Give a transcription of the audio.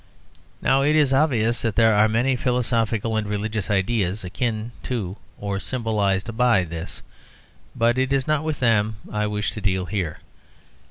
Now, it is obvious that there are many philosophical and religious ideas akin to or symbolised by this; but it is not with them I wish to deal here.